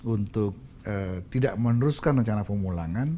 untuk tidak meneruskan rencana pemulangan